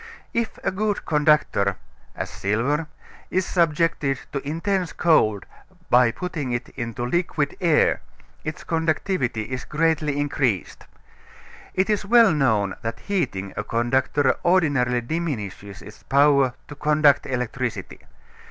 If a good conductor, as silver, is subjected to intense cold by putting it into liquid air, its conductivity is greatly increased. It is well known that heating a conductor ordinarily diminishes its power to conduct electricity.